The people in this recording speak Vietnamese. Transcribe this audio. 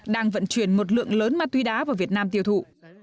đang vận chuyển một lượng lớn ma túy đá vào việt nam tiêu thụ